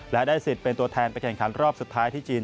และได้สิทธิ์เป็นตัวแทนไปแข่งขันรอบสุดท้ายที่จีน